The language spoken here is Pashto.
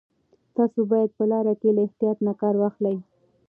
تاسو باید په لاره کې له احتیاط نه کار واخلئ.